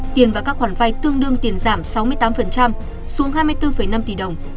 tiền và các khoản vay tương đương tiền giảm sáu mươi tám xuống hai mươi bốn năm tỷ đồng